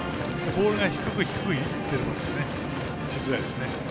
ボールが低く低くいってるので打ちづらいですね。